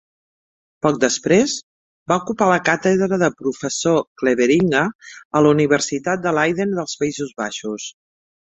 Poc després, va ocupar la càtedra de Professor Cleveringa a la Universitat de Leiden dels Països Baixos.